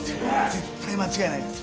絶対間違いないです。